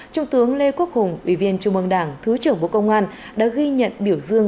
trung tướng lê quốc hùng ủy viên trung mương đảng thứ trưởng bộ công an đã ghi nhận biểu dương